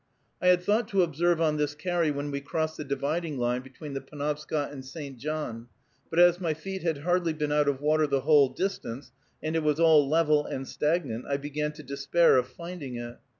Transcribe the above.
I had thought to observe on this carry when we crossed the dividing line between the Penobscot and St. John, but as my feet had hardly been out of water the whole distance, and it was all level and stagnant, I began to despair of finding it.